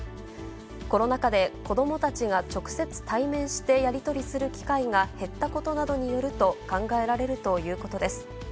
コロナ禍で子どもたちが直接対面してやり取りする機会が、減ったことなどによると考えられるということです。